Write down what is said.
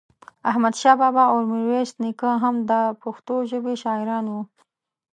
احمد شاه بابا او ميرويس نيکه هم دا پښتو ژبې شاعران وو